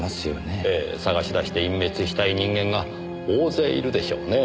ええ捜し出して隠滅したい人間が大勢いるでしょうねぇ。